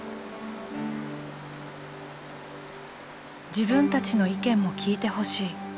「自分たちの意見も聞いてほしい」。